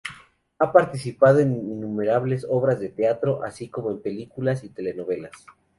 Ha participado en innumerables obras de teatro, así como en películas y telenovelas.